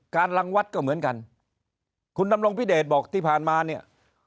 รังวัดก็เหมือนกันคุณดำรงพิเดชบอกที่ผ่านมาเนี่ย